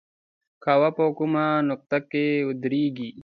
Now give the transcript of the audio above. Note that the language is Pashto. قوه په کومه نقطه کې واردیږي؟